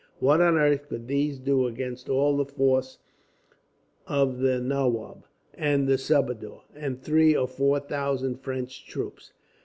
What on earth could these do against all the force of the nawab, the subadar, and three or four thousand French troops?"